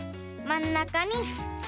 まんなかにかき。